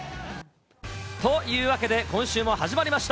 というわけで、今週も始まりました。